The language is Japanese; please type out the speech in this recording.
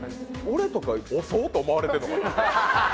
俺とか「遅っ！」と思われてるのかな？